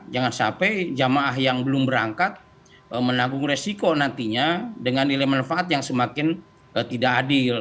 jangan sampai jamaah yang belum berangkat menanggung resiko nantinya dengan nilai manfaat yang semakin tidak adil